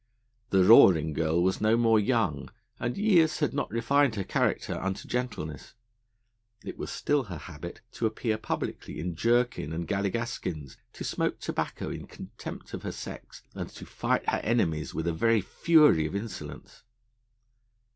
The Roaring Girl was no more young, and years had not refined her character unto gentleness. It was still her habit to appear publicly in jerkin and galligaskins, to smoke tobacco in contempt of her sex, and to fight her enemies with a very fury of insolence.